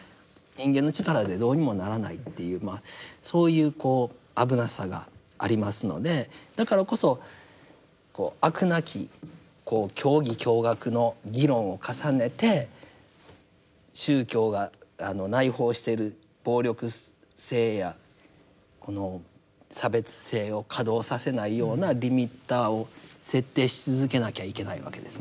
人間の力でどうにもならないっていうそういう危なさがありますのでだからこそこう飽くなきこう教義教学の議論を重ねて宗教が内包している暴力性やこの差別性を稼働させないようなリミッターを設定し続けなきゃいけないわけですね。